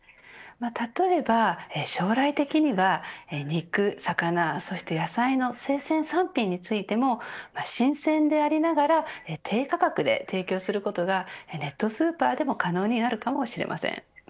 例えば、将来的には肉、魚そして野菜の生鮮３品についても新鮮でありながら低価格で提供することがネットスーパーでも可能になるかもしれません。